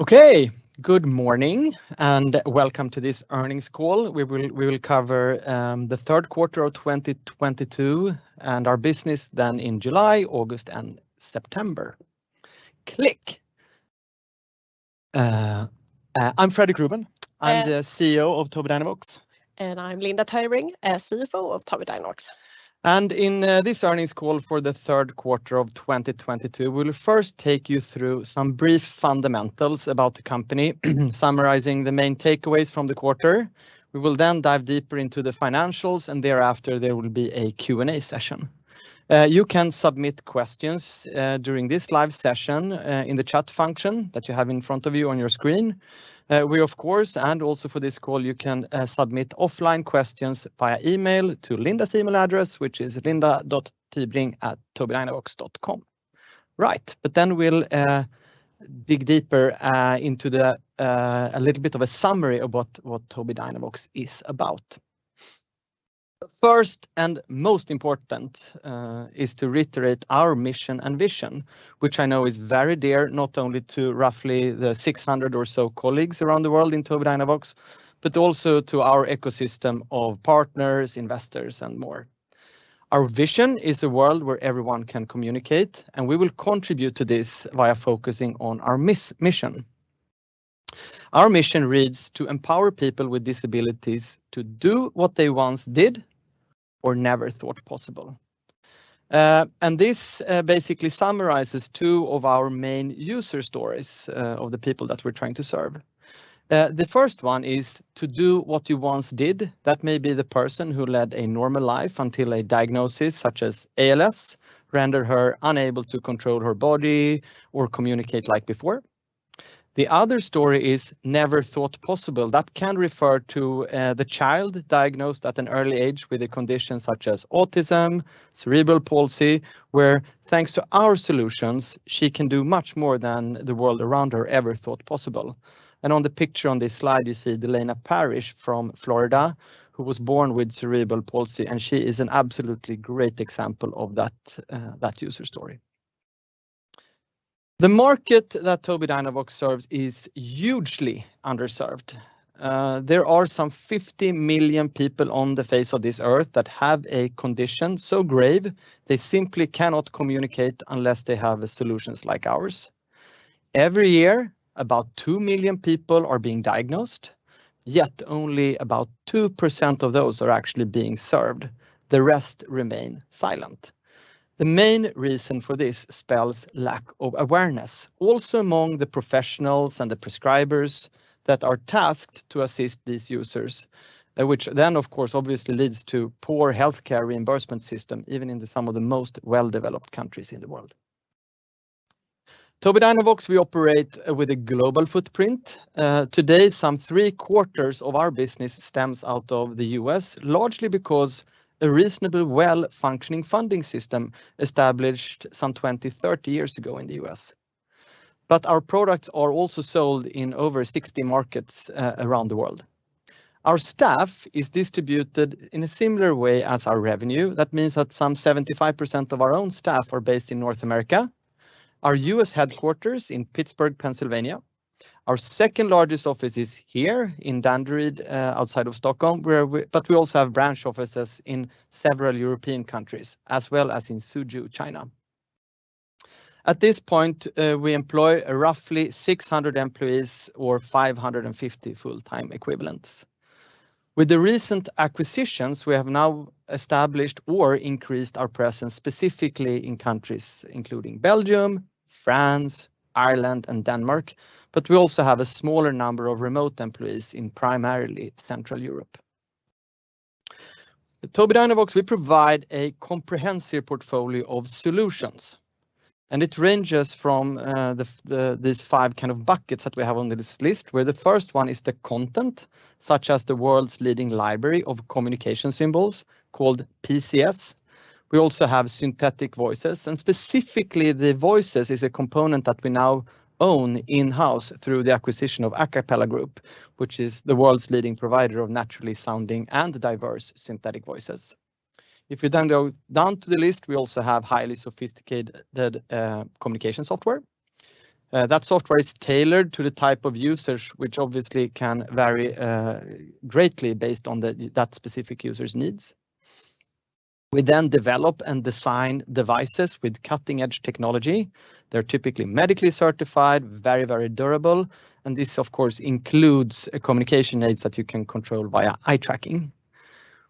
Okay. Good morning, and welcome to this earnings call. We will cover the third quarter of 2022 and our business done in July, August, and September. I'm Fredrik Ruben. I'm the CEO of Tobii Dynavox. I'm Linda Tybring, CFO of Tobii Dynavox. In this earnings call for the third quarter of 2022, we'll first take you through some brief fundamentals about the company, summarizing the main takeaways from the quarter. We will then dive deeper into the financials, and thereafter there will be a Q&A session. You can submit questions during this live session in the chat function that you have in front of you on your screen. We, of course, and also for this call, you can submit offline questions via email to Linda Tybring's email address, which is linda.tybring@tobiidynavox.com. Right, we'll dig deeper into a little bit of a summary about what Tobii Dynavox is about. First and most important is to reiterate our mission and vision, which I know is very dear, not only to roughly the 600 or so colleagues around the world in Tobii Dynavox, but also to our ecosystem of partners, investors, and more. Our vision is a world where everyone can communicate, and we will contribute to this via focusing on our mission. Our mission reads, "To empower people with disabilities to do what they once did or never thought possible." This basically summarizes two of our main user stories of the people that we're trying to serve. The first one is to do what you once did. That may be the person who led a normal life until a diagnosis such as ALS rendered her unable to control her body or communicate like before. The other story is never thought possible. That can refer to the child diagnosed at an early age with a condition such as autism, cerebral palsy, where thanks to our solutions, she can do much more than the world around her ever thought possible. On the picture on this slide, you see Delaina Parrish from Florida, who was born with cerebral palsy, and she is an absolutely great example of that user story. The market that Tobii Dynavox serves is hugely underserved. There are some 50 million people on the face of this earth that have a condition so grave they simply cannot communicate unless they have solutions like ours. Every year, about 2 million people are being diagnosed, yet only about 2% of those are actually being served. The rest remain silent. The main reason for this is the lack of awareness, also among the professionals and the prescribers that are tasked to assist these users, which then, of course, obviously leads to a poor healthcare reimbursement system, even in some of the most well-developed countries in the world. Tobii Dynavox, we operate with a global footprint. Today, some 3/4 of our business stems out of the U.S., largely because a reasonably well-functioning funding system established some 20, 30 years ago in the U.S. Our products are also sold in over 60 markets, around the world. Our staff is distributed in a similar way as our revenue. That means that some 75% of our own staff are based in North America. Our U.S. Headquarters in Pittsburgh, Pennsylvania. Our second largest office is here in Danderyd outside of Stockholm, but we also have branch offices in several European countries, as well as in Suzhou, China. At this point, we employ roughly 600 employees or 550 full-time equivalents. With the recent acquisitions, we have now established or increased our presence specifically in countries including Belgium, France, Ireland, and Denmark, but we also have a smaller number of remote employees in primarily Central Europe. At Tobii Dynavox, we provide a comprehensive portfolio of solutions, and it ranges from the these five kind of buckets that we have on this list, where the first one is the content, such as the world's leading library of communication symbols called PCS. We also have synthetic voices, and specifically the voices is a component that we now own in-house through the acquisition of Acapela Group, which is the world's leading provider of naturally sounding and diverse synthetic voices. If you then go down to the list, we also have highly sophisticated communication software. That software is tailored to the type of users which obviously can vary greatly based on the, that specific user's needs. We then develop and design devices with cutting-edge technology. They're typically medically certified, very, very durable, and this of course includes communication aids that you can control via eye tracking.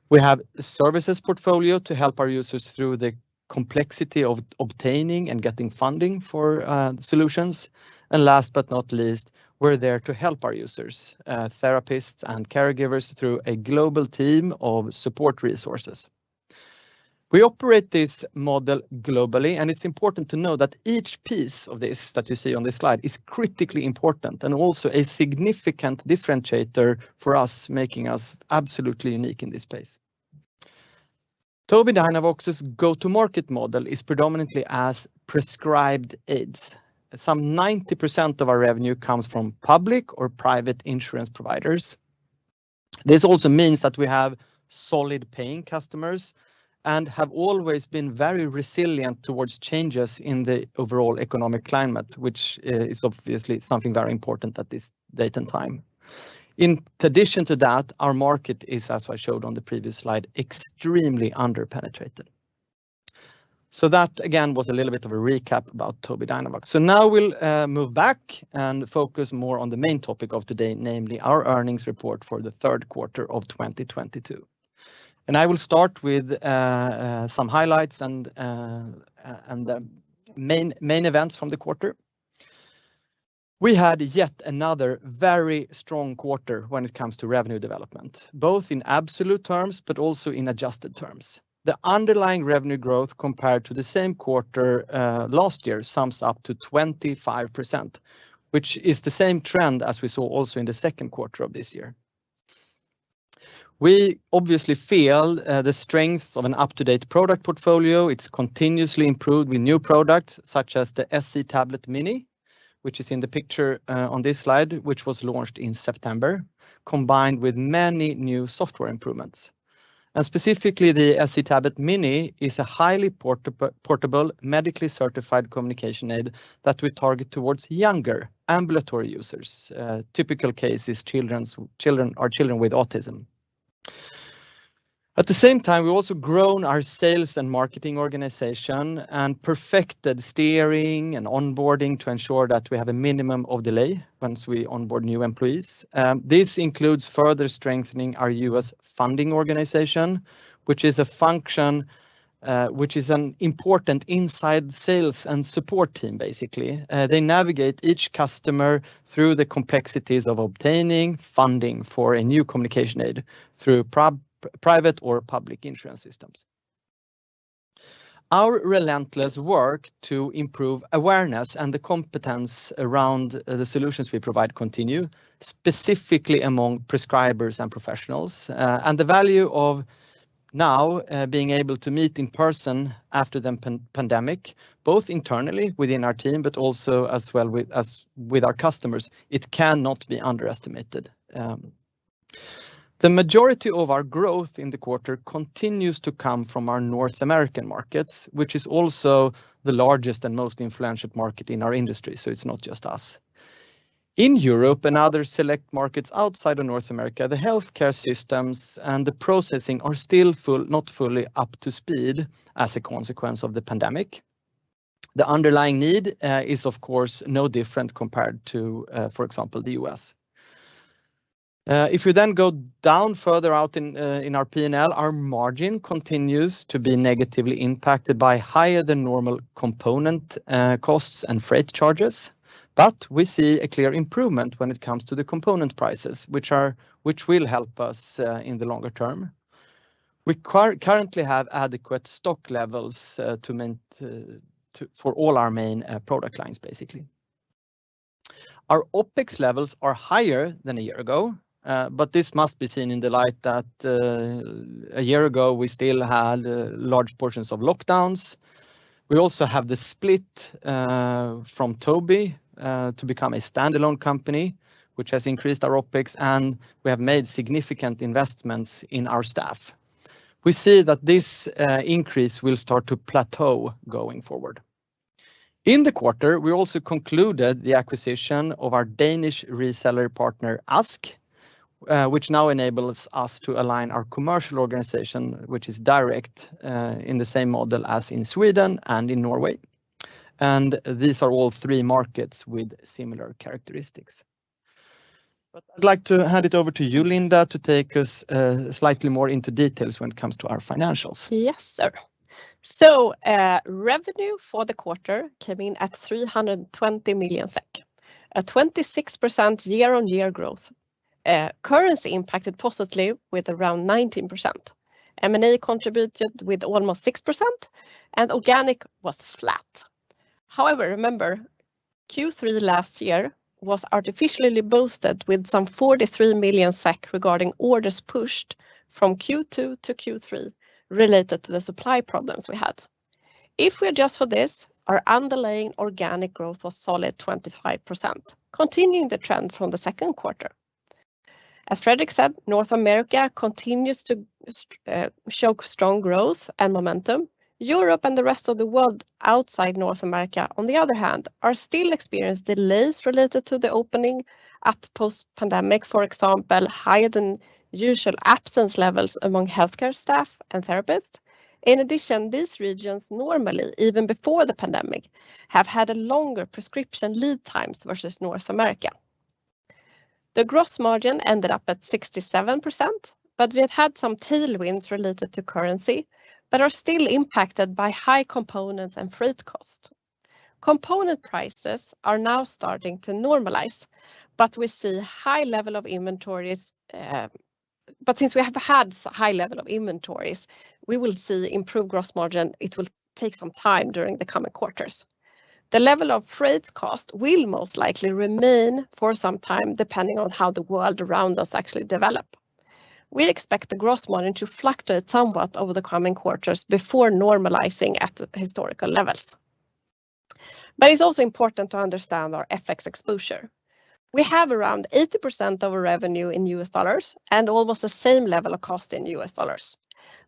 We have a services portfolio to help our users through the complexity of obtaining and getting funding for solutions. Last but not least, we're there to help our users, therapists and caregivers through a global team of support resources. We operate this model globally, and it's important to know that each piece of this that you see on this slide is critically important and also a significant differentiator for us, making us absolutely unique in this space. Tobii Dynavox's go-to-market model is predominantly as prescribed aids. Some 90% of our revenue comes from public or private insurance providers. This also means that we have solid paying customers and have always been very resilient towards changes in the overall economic climate, which is obviously something very important at this date and time. In addition to that, our market is, as I showed on the previous slide, extremely under-penetrated. That again was a little bit of a recap about Tobii Dynavox. Now we'll move back and focus more on the main topic of today, namely our earnings report for the third quarter of 2022. I will start with some highlights and the main events from the quarter. We had yet another very strong quarter when it comes to revenue development, both in absolute terms, but also in adjusted terms. The underlying revenue growth compared to the same quarter last year sums up to 25%, which is the same trend as we saw also in the second quarter of this year. We obviously feel the strength of an up-to-date product portfolio. It's continuously improved with new products such as the SC Tablet Mini, which is in the picture on this slide, which was launched in September, combined with many new software improvements. Specifically, the SC Tablet Mini is a highly portable, medically certified communication aid that we target towards younger ambulatory users. Typical case is children with autism. At the same time, we've also grown our sales and marketing organization and perfected steering and onboarding to ensure that we have a minimum of delay once we onboard new employees. This includes further strengthening our U.S. funding organization, which is an important inside sales and support team, basically. They navigate each customer through the complexities of obtaining funding for a new communication aid through private or public insurance systems. Our relentless work to improve awareness and the competence around the solutions we provide continue, specifically among prescribers and professionals. The value of now being able to meet in person after the pandemic, both internally within our team, but also as well with our customers, it cannot be underestimated. The majority of our growth in the quarter continues to come from our North American markets, which is also the largest and most influential market in our industry, so it's not just us. In Europe and other select markets outside of North America, the healthcare systems and the processing are still full, not fully up to speed as a consequence of the pandemic. The underlying need is of course no different compared to, for example, the U.S. If you then go down further out in our P&L, our margin continues to be negatively impacted by higher than normal component costs and freight charges. We see a clear improvement when it comes to the component prices, which will help us in the longer term. We currently have adequate stock levels for all our main product lines, basically. Our OpEx levels are higher than a year ago, but this must be seen in the light that a year ago, we still had large portions of lockdowns. We also have the split from Tobii to become a standalone company, which has increased our OpEx, and we have made significant investments in our staff. We see that this increase will start to plateau going forward. In the quarter, we also concluded the acquisition of our Danish reseller partner, ASK, which now enables us to align our commercial organization, which is direct in the same model as in Sweden and in Norway. These are all three markets with similar characteristics. I'd like to hand it over to you, Linda, to take us slightly more into details when it comes to our financials. Yes, sir. Revenue for the quarter came in at 320 million SEK, a 26% year-on-year growth. Currency impacted positively with around 19%. M&A contributed with almost 6%, and organic was flat. However, remember, Q3 last year was artificially boosted with some 43 million SEK regarding orders pushed from Q2 to Q3 related to the supply problems we had. If we adjust for this, our underlying organic growth was solid 25%, continuing the trend from the second quarter. As Fredrik said, North America continues to show strong growth and momentum. Europe and the rest of the world outside North America, on the other hand, are still experiencing delays related to the opening up post-pandemic, for example, higher than usual absence levels among healthcare staff and therapists. In addition, these regions normally, even before the pandemic, have had a longer prescription lead times versus North America. The gross margin ended up at 67%, but we have had some tailwinds related to currency, but are still impacted by high components and freight cost. Component prices are now starting to normalize, but we see high level of inventories, but since we have had high level of inventories, we will see improved gross margin. It will take some time during the coming quarters. The level of freight cost will most likely remain for some time, depending on how the world around us actually develop. We expect the gross margin to fluctuate somewhat over the coming quarters before normalizing at historical levels. But it's also important to understand our FX exposure. We have around 80% of our revenue in US dollars and almost the same level of cost in US dollars.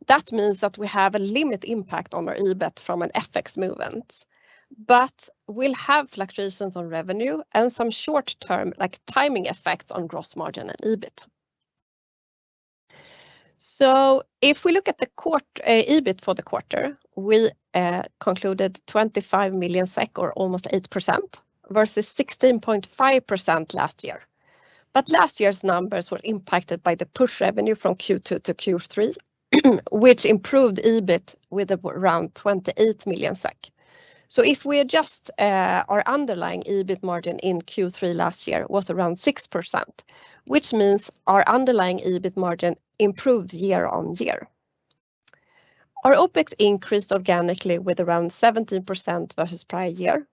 That means that we have a limited impact on our EBIT from an FX movement, but we'll have fluctuations on revenue and some short-term, like timing effects on gross margin and EBIT. If we look at the quarter EBIT for the quarter, we concluded 25 million SEK or almost 8% versus 16.5% last year. Last year's numbers were impacted by the pushed revenue from Q2 to Q3, which improved EBIT with around 28 million SEK. If we adjust our underlying EBIT margin in Q3 last year was around 6%, which means our underlying EBIT margin improved year-on-year. Our OpEx increased organically with around 17% versus prior year.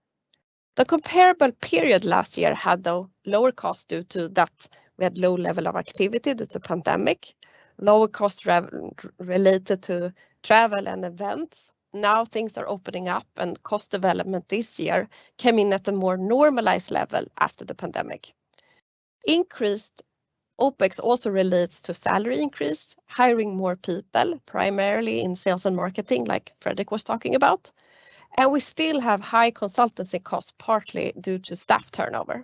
The comparable period last year had the lower cost due to that we had low level of activity due to pandemic, lower cost related to travel and events. Now things are opening up and cost development this year came in at a more normalized level after the pandemic. Increased OpEx also relates to salary increase, hiring more people, primarily in sales and marketing, like Fredrik was talking about, and we still have high consultancy costs, partly due to staff turnover.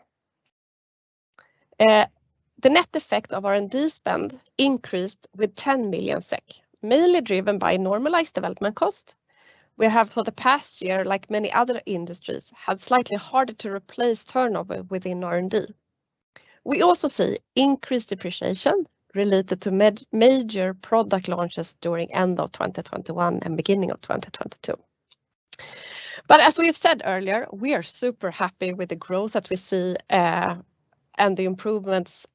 The net effect of R&D spend increased with 10 million SEK, mainly driven by normalized development cost. We have for the past year, like many other industries, had slightly harder to replace turnover within R&D. We also see increased depreciation related to major product launches during end of 2021 and beginning of 2022. As we have said earlier, we are super happy with the growth that we see, and the improvements,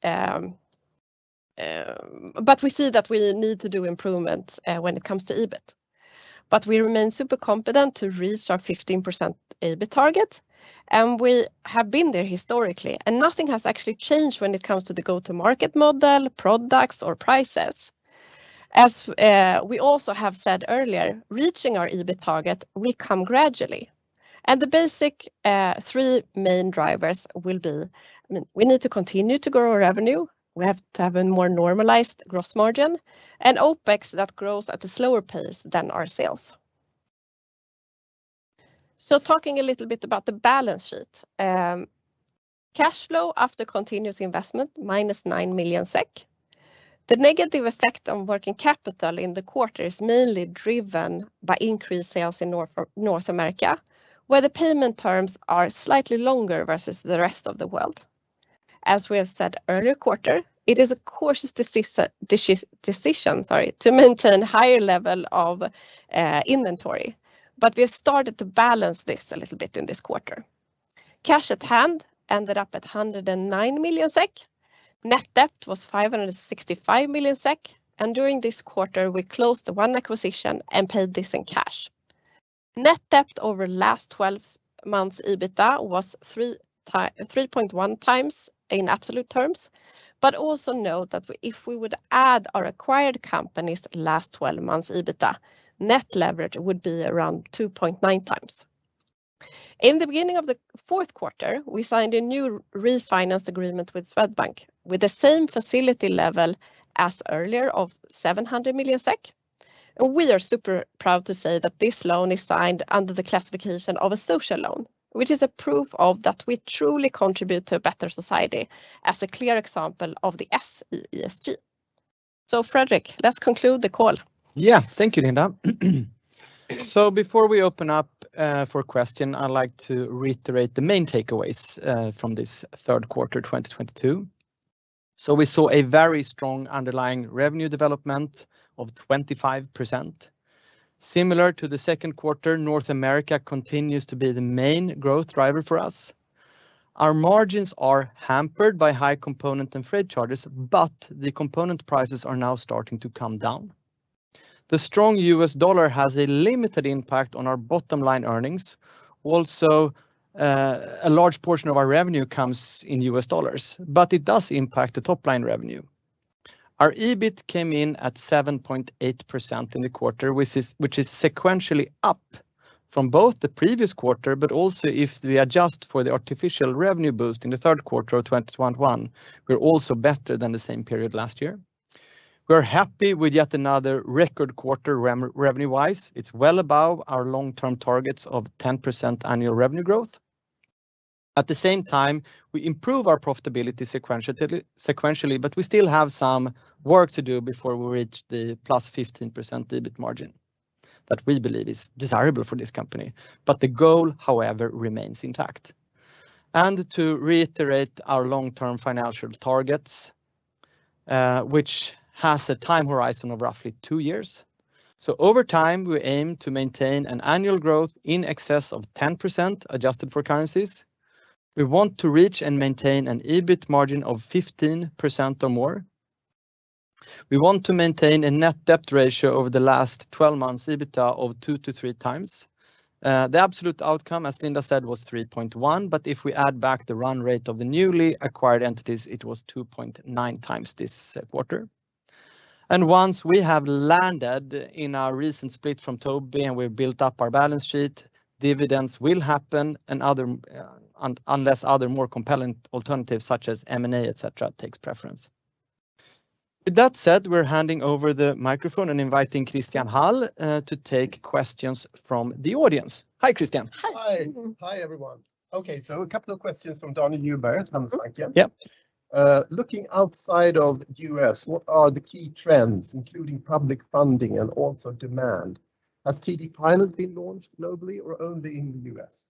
but we see that we need to do improvements, when it comes to EBIT. We remain super confident to reach our 15% EBIT target, and we have been there historically, and nothing has actually changed when it comes to the go-to market model, products, or prices. As we also have said earlier, reaching our EBIT target will come gradually, and the basic, three main drivers will be, I mean, we need to continue to grow our revenue. We have to have a more normalized gross margin and OpEx that grows at a slower pace than our sales. Talking a little bit about the balance sheet. Cash flow after continuous investment, -9 million SEK. The negative effect on working capital in the quarter is mainly driven by increased sales in North America, where the payment terms are slightly longer versus the rest of the world. As we have said earlier quarter, it is a cautious decision to maintain higher level of inventory. We have started to balance this a little bit in this quarter. Cash at hand ended up at 109 million SEK. Net debt was 565 million SEK, and during this quarter, we closed the one acquisition and paid this in cash. Net debt over last twelve months EBITDA was 3.1x in absolute terms, but also note that if we would add our acquired companies last 12 months EBITDA, net leverage would be around 2.9x. In the beginning of the fourth quarter, we signed a new refinance agreement with Swedbank with the same facility level as earlier of 700 million SEK. We are super proud to say that this loan is signed under the classification of a social loan, which is a proof of that we truly contribute to a better society as a clear example of the S in ESG. Fredrik, let's conclude the call. Yeah. Thank you, Linda. Before we open up for questions, I'd like to reiterate the main takeaways from this third quarter 2022. We saw a very strong underlying revenue development of 25%. Similar to the second quarter, North America continues to be the main growth driver for us. Our margins are hampered by high component and freight charges, but the component prices are now starting to come down. The strong US dollar has a limited impact on our bottom-line earnings. Also, a large portion of our revenue comes in US dollars, but it does impact the top-line revenue. Our EBIT came in at 7.8% in the quarter, which is sequentially up from both the previous quarter, but also if we adjust for the artificial revenue boost in the third quarter of 2021, we're also better than the same period last year. We're happy with yet another record quarter revenue-wise. It's well above our long-term targets of 10% annual revenue growth. At the same time, we improve our profitability sequentially, but we still have some work to do before we reach the +15% EBIT margin that we believe is desirable for this company. The goal, however, remains intact. To reiterate our long-term financial targets, which has a time horizon of roughly two years. Over time, we aim to maintain an annual growth in excess of 10% adjusted for currencies. We want to reach and maintain an EBIT margin of 15% or more. We want to maintain a net debt ratio over the last 12 months EBITDA of 2x-3x. The absolute outcome, as Linda said, was 3.1x, but if we add back the run rate of the newly acquired entities, it was 2.9x this quarter. Once we have landed in our recent split from Tobii, and we've built up our balance sheet, dividends will happen and other, unless other more compelling alternatives such as M&A, et cetera, takes preference. With that said, we're handing over the microphone and inviting Christian Hall to take questions from the audience. Hi, Christian. Hi. Hi, everyone. Okay. A couple of questions from Daniel Djuberg on this mic, yeah. Mm-hmm. Yep. Looking outside of U.S., what are the key trends, including public funding and also demand? Has TD Pilot been launched globally or only in the U.S.?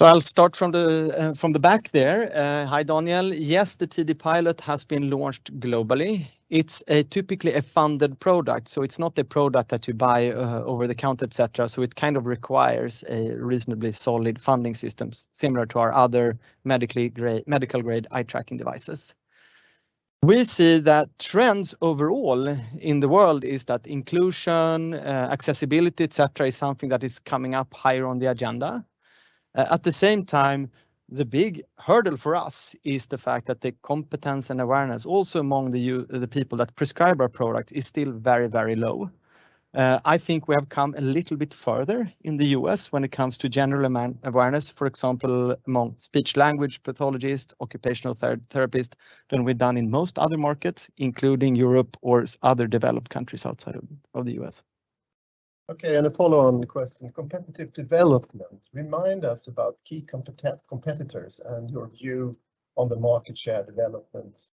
I'll start from the back there. Hi, Daniel. Yes, the TD Pilot has been launched globally. It's typically a funded product, so it's not a product that you buy over the counter, et cetera, so it kind of requires a reasonably solid funding systems similar to our other medical-grade eye-tracking devices. We see that trends overall in the world is that inclusion, accessibility, et cetera, is something that is coming up higher on the agenda. At the same time, the big hurdle for us is the fact that the competence and awareness also among the people that prescribe our product is still very, very low. I think we have come a little bit further in the U.S. when it comes to general awareness, for example, among speech-language pathologists, occupational therapists than we've done in most other markets, including Europe or other developed countries outside of the U.S. Okay, a follow on question. Competitive development. Remind us about key competitors and your view on the market share development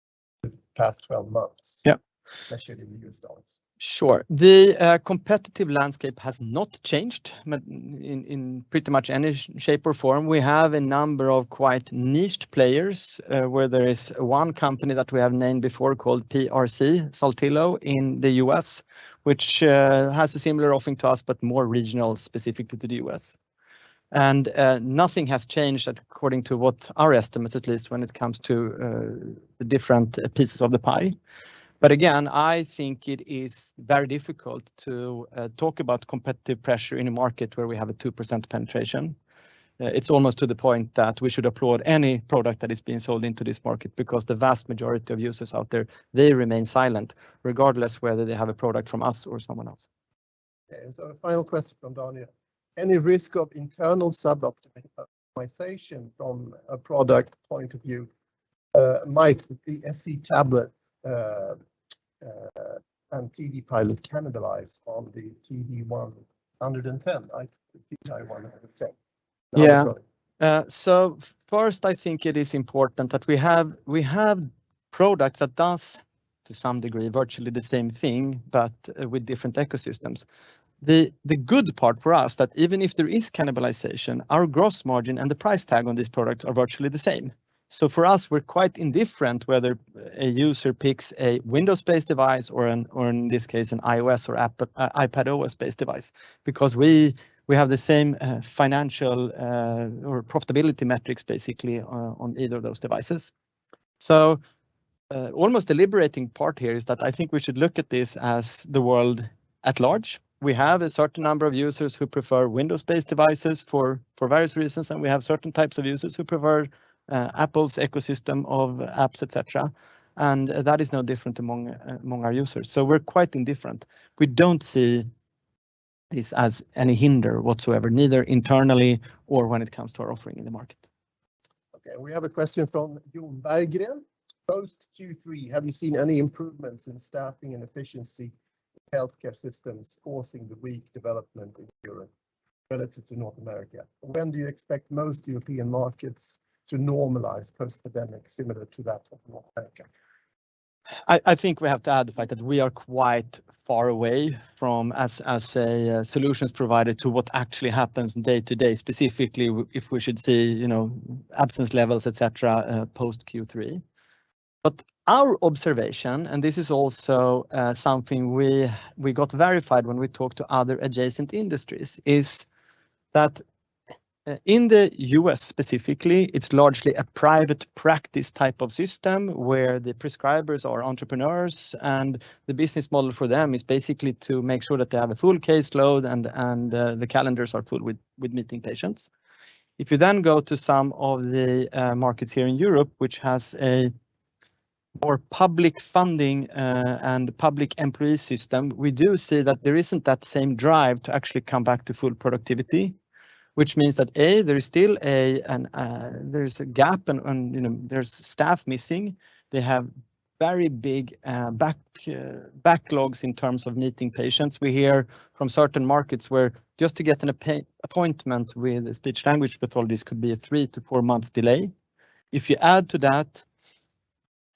the past 12 months. Yeah especially in the US dollars. Sure. The competitive landscape has not changed in in pretty much any shape or form. We have a number of quite niched players, where there is one company that we have named before called PRC-Saltillo in the U.S., which has a similar offering to us, but more regional, specific to the U.S. Nothing has changed according to what our estimates, at least when it comes to the different pieces of the pie. Again, I think it is very difficult to talk about competitive pressure in a market where we have a 2% penetration. It's almost to the point that we should applaud any product that is being sold into this market because the vast majority of users out there, they remain silent regardless whether they have a product from us or someone else. Okay. Final question from Daniel. Any risk of internal sub-optimization from a product point of view, might the SC Tablet and TD Pilot cannibalize on the TD I-110, I think TD I-110? Yeah. That was right. First, I think it is important that we have products that does, to some degree, virtually the same thing, but with different ecosystems. The good part for us that even if there is cannibalization, our gross margin and the price tag on these products are virtually the same. For us, we're quite indifferent whether a user picks a Windows-based device or, in this case, an iOS or iPadOS-based device, because we have the same financial or profitability metrics basically on either of those devices. Almost the liberating part here is that I think we should look at this as the world at large. We have a certain number of users who prefer Windows-based devices for various reasons, and we have certain types of users who prefer Apple's ecosystem of apps, et cetera, and that is no different among our users. We're quite indifferent. We don't see this as any hindrance whatsoever, neither internally nor when it comes to our offering in the market. Okay, we have a question from Jon Bergin. Post Q3, have you seen any improvements in staffing and efficiency in healthcare systems causing the weak development in Europe relative to North America? When do you expect most European markets to normalize post-pandemic, similar to that of North America? I think we have to add the fact that we are quite far away from as a solutions provider to what actually happens day to day, specifically if we should see, you know, absence levels, et cetera, post Q3. Our observation, and this is also something we got verified when we talked to other adjacent industries, is that in the U.S. specifically, it's largely a private practice type of system where the prescribers are entrepreneurs and the business model for them is basically to make sure that they have a full caseload and the calendars are filled with meeting patients. If you go to some of the markets here in Europe, which has a more public funding and public employee system, we do see that there isn't that same drive to actually come back to full productivity, which means that there is still a gap and, you know, there's staff missing. They have very big backlogs in terms of meeting patients. We hear from certain markets where just to get an appointment with a speech-language pathologist could be a three-fourth-month delay. If you add to that,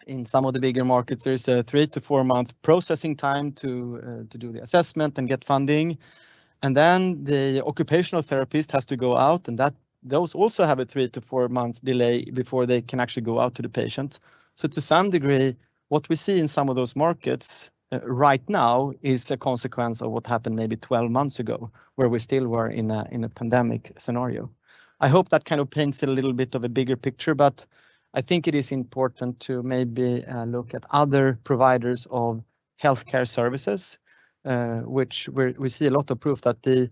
in some of the bigger markets, there is a three-fourth-month processing time to do the assessment and get funding, and then the occupational therapist has to go out, and those also have a three-fourth-months delay before they can actually go out to the patient. To some degree, what we see in some of those markets right now is a consequence of what happened maybe 12 months ago, where we still were in a pandemic scenario. I hope that kind of paints a little bit of a bigger picture, but I think it is important to maybe look at other providers of healthcare services, which we see a lot of proof that the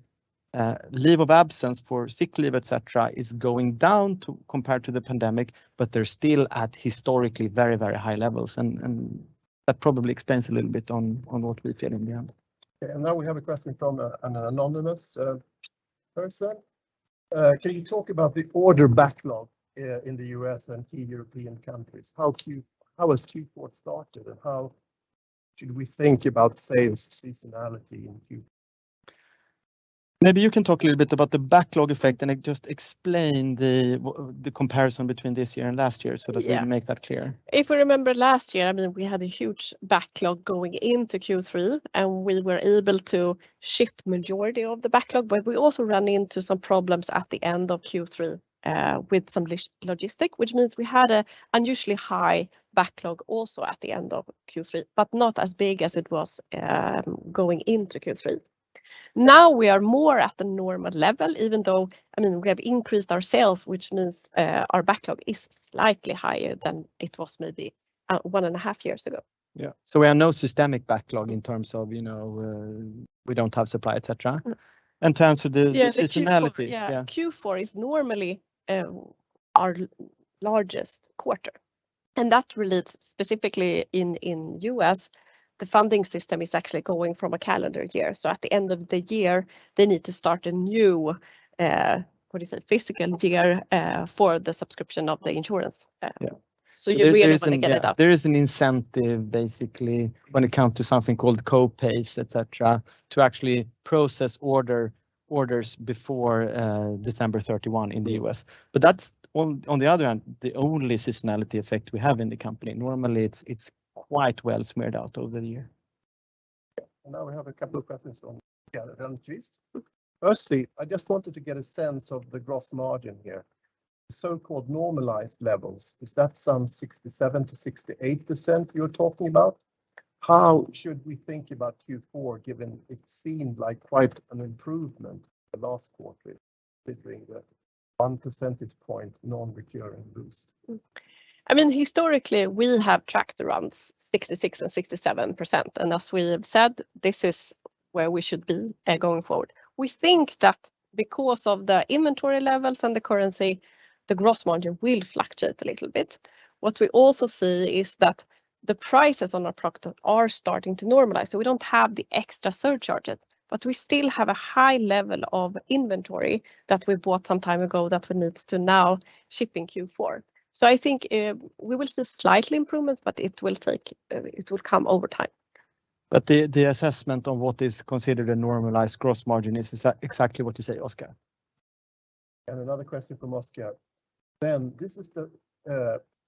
leave of absence for sick leave, et cetera, is going down, too, compared to the pandemic, but they're still at historically very, very high levels and that probably expands a little bit on what we feel in the end. Okay. Now we have a question from an anonymous person. Can you talk about the order backlog in the U.S. And key European countries? How has Q4 started and how should we think about sales seasonality in Q4? Maybe you can talk a little bit about the backlog effect and just explain the comparison between this year and last year so that we make that clear. Yeah. If we remember last year, I mean, we had a huge backlog going into Q3, and we were able to ship majority of the backlog, but we also run into some problems at the end of Q3 with some logistics, which means we had an unusually high backlog also at the end of Q3, but not as big as it was going into Q3. Now we are more at the normal level even though, I mean, we have increased our sales, which means our backlog is slightly higher than it was maybe one and a half years ago. Yeah. We have no systemic backlog in terms of, you know, we don't have supply, et cetera. In terms of the seasonality. Yeah, the Q4 is normally our largest quarter, and that relates specifically in U.S. The funding system is actually going from a calendar year. At the end of the year, they need to start a new fiscal year for the subscription of the insurance. So, you really want to get it up. There is an incentive basically when it comes to something called copay, et cetera, to actually process orders before December 31 in the U.S. That's on the other hand the only seasonality effect we have in the company. Normally, it's quite well smeared out over the year. Now we have a couple of questions from Oskar Hellqvist. Firstly, I just want to get a sense of the gross margin here. The so-called normalized levels, is that some 67%-68% you are talking about? How should we think about Q4, given it seemed like quite an improvement the last quarter, considering the one percentage point non-recurring boost? I mean, historically we have tracked around 66% and 67%. As we said, this is where we should be going forward. We think that because of the inventory levels and the currency, the gross margin will fluctuate a little bit. What we also see is that the prices on our product are starting to normalize. So, we don't have the extra surcharges, but we still have a high level of inventory that we bought some time ago, that we need to know shipping Q4. So, I think, we will see slightly improvements, but it will come over time. But the assessment of what is considered a normalized gross margin is exactly what you say, Oskar. Another question from Oskar.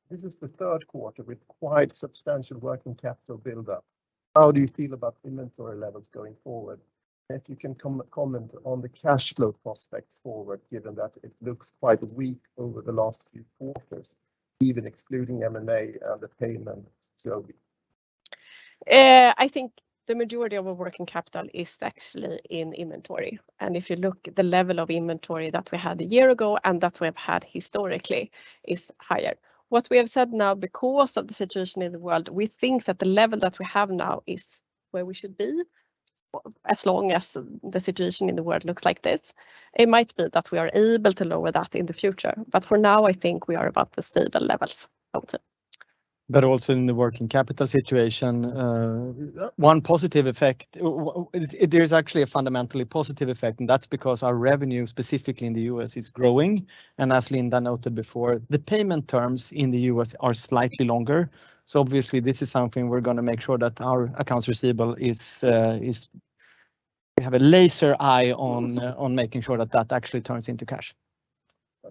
This is the third quarter with quite substantial working capital build-up, how do you feel about inventory levels going forward? If you can comment on the cash flow prospects forward given that it looks quite weak over the last few quarters, even excluding MMA and the payment. I think, the majority of our working capital is actually in inventory. And, if you look at the level of inventory that we had a year ago and that we've had historically is higher. What we have said now, because of the situation in the world, we think that the level that we have now is where we should be as long as the situation in the world looks like this. It might be that we are able to lower that in the future. But, for now, I think we are above the stable levels. Also in the working capital situation, one positive effect, there's actually a fundamentally positive effect, that's because our revenue specifically in the U.S. is growing. And as Linda noted before, the payment terms in the U.S. are slightly longer. So obviously this is something we're going to make sure that our accounts receivable is, we have a laser eye on making sure that that actually turns into cash.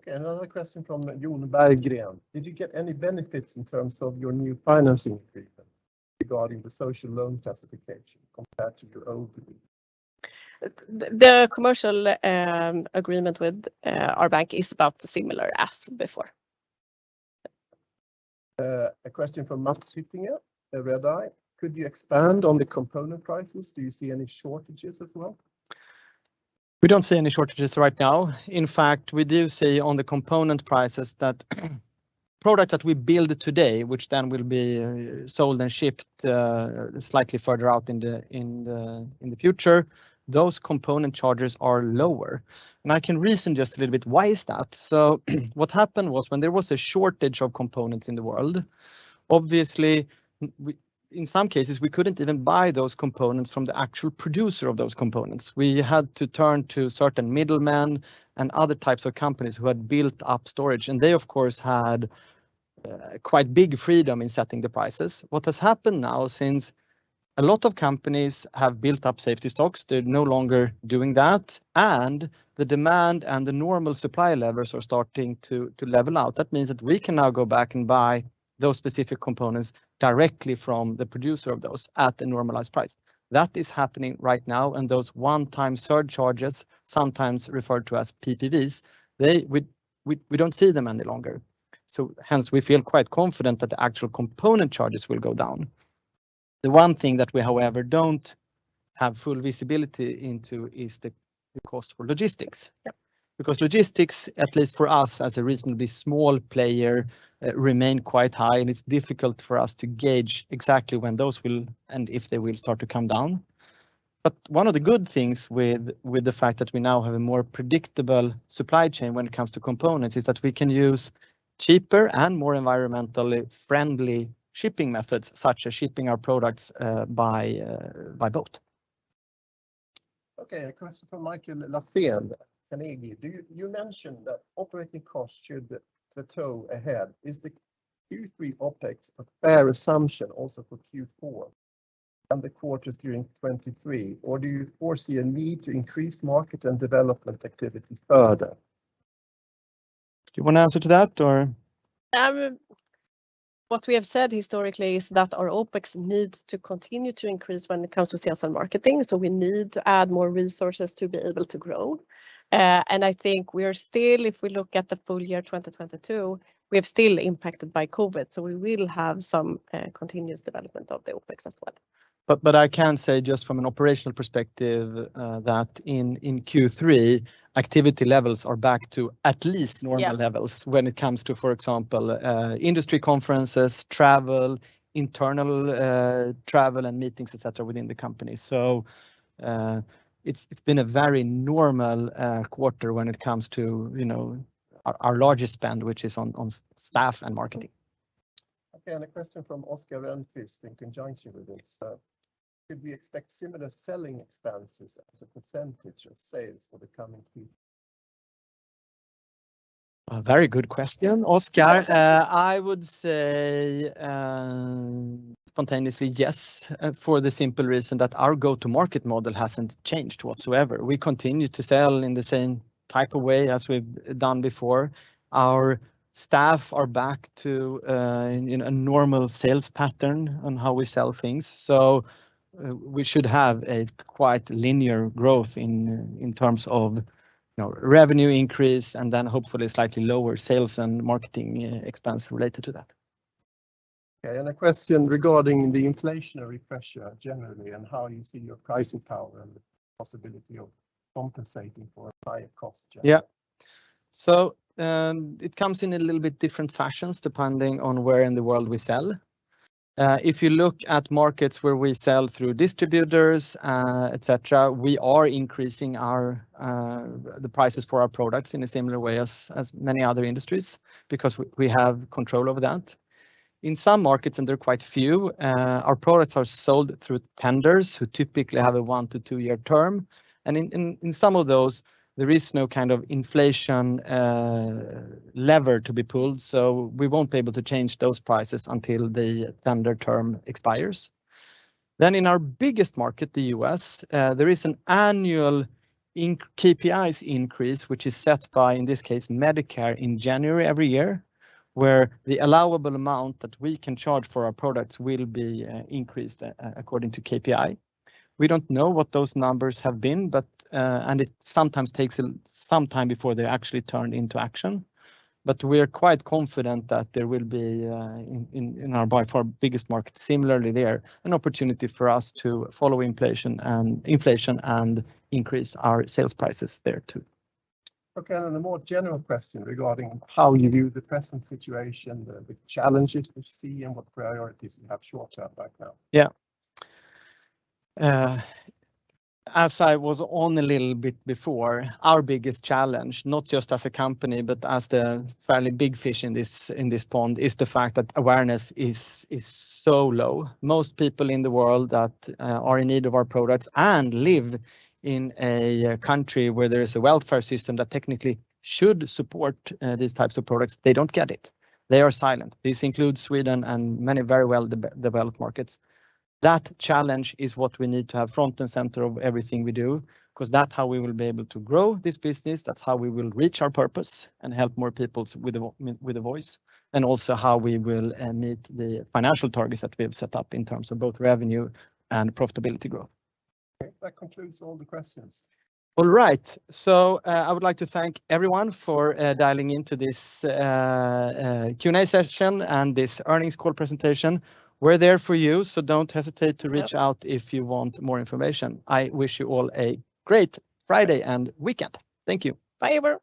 Another question from the queue. Did you get any benefits in terms of your new financing agreement regarding the social loan classification compared to your old... The commercial agreement with our bank is about similar as before. A question from Matt sitting here, a Redeye could you expand on the component prices do you see any shortages as well? We don't see any shortages right now. In fact, we do see on the component prices that products that we build today, which then will be sold and shipped slightly further out in the future, those component charges are lower. I can reason just a little bit why is that. What happened was when there was a shortage of components in the world, obviously in some cases, we couldn't even buy those components from the actual producer of those components. We had to turn to certain middlemen and other types of companies who had built up storage, and they of course had quite big freedom in setting the prices. What has happened now, since a lot of companies have built up safety stocks, they're no longer doing that, and the demand and the normal supply levels are starting to level out. That means that we can now go back and buy those specific components directly from the producer of those at a normalized price. That is happening right now, and those one-time surcharges sometimes referred to as PPVs, we don't see them any longer. Hence we feel quite confident that the actual component charges will go down. The one thing that we, however, don't have full visibility into is the cost for logistics. Because logistics, at least for us as a reasonably small player, remain quite high, and it's difficult for us to gauge exactly when those will, and if they will start to come down. One of the good things with the fact that we now have a more predictable supply chain when it comes to components is that we can use cheaper and more environmentally friendly shipping methods, such as shipping our products by boat. Okay, a question from Michael Lafsén, Carnegie. You mentioned that operating costs showed the two ahead. Is the Q3 OpEx a fair assumption also for Q4 and the quarters during 2023, or do you foresee a need to increase market and development activity further? Do you wanna answer to that, or? I will. What we have said historically is that our OpEx needs to continue to increase when it comes to sales and marketing, so we need to add more resources to be able to grow. I think we are still, if we look at the full year 2022, we're still impacted by COVID, so we will have some continuous development of the OpEx as well. I can say just from an operational perspective, that in Q3, activity levels are back to at least. Yeah Normal levels when it comes to, for example, industry conferences, travel, internal travel, and meetings, et cetera, within the company. It's been a very normal quarter when it comes to, you know, our largest spend, which is on staff and marketing. Okay. A question from Oskar Hellqvist in conjunction with this. Should we expect similar selling expenses as a percentage of sales for the coming few years? A very good question, Oskar. I would say, spontaneously, yes, for the simple reason that our go-to-market model hasn't changed whatsoever. We continue to sell in the same type of way as we've done before. Our staff are back to a, you know, a normal sales pattern on how we sell things, so, we should have a quite linear growth in terms of, you know, revenue increase, and then hopefully slightly lower sales and marketing expense related to that. Okay. A question regarding the inflationary pressure generally and how you see your pricing power and the possibility of compensating for higher costs generally. Yeah. It comes in a little bit different fashions depending on where in the world we sell. If you look at markets where we sell through distributors, et cetera, we are increasing the prices for our products in a similar way as many other industries because we have control over that. In some markets, and there are quite a few, our products are sold through tenders who typically have a one-two-year term. In some of those, there is no kind of inflation lever to be pulled, so we won't be able to change those prices until the tender term expires. In our biggest market, the U.S., there is an annual CPI increase, which is set by, in this case, Medicare in January every year, where the allowable amount that we can charge for our products will be increased according to CPI. We don't know what those numbers have been, but it sometimes takes some time before they're actually turned into action. We are quite confident that there will be in our by far biggest market similarly there an opportunity for us to follow inflation and increase our sales prices there too. Okay. A more general question regarding how you view the present situation, the challenges you see, and what priorities you have short-term right now? Yeah. As I was on a little bit before, our biggest challenge, not just as a company but as the fairly big fish in this pond, is the fact that awareness is so low. Most people in the world that are in need of our products and live in a country where there is a welfare system that technically should support these types of products, they don't get it. They are silent. This includes Sweden and many very well-developed markets. That challenge is what we need to have front and center of everything we do 'cause that's how we will be able to grow this business. That's how we will reach our purpose and help more people with a voice, and also how we will meet the financial targets that we have set up in terms of both revenue and profitability growth. Okay, that concludes all the questions. All right. I would like to thank everyone for dialing into this Q&A session and this earnings call presentation. We're there for you, so don't hesitate to reach out. Yeah If you want more information. I wish you all a great Friday and weekend. Thank you. Bye, everyone.